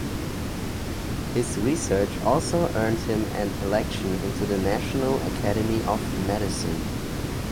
His research also earned him an election into the National Academy of Medicine.